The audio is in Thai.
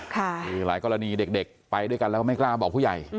คือหลายกรณีเด็กไปด้วยกันแล้วไม่กล้าบอกผู้ใหญ่